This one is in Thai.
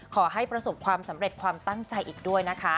ขอให้ประสบความสำเร็จความตั้งใจอีกด้วยนะคะ